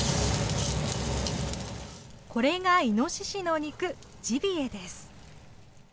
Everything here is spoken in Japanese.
これがイノシシの肉、ジビエです。